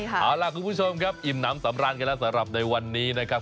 เอาล่ะคุณผู้ชมครับอิ่มน้ำสำราญกันแล้วสำหรับในวันนี้นะครับ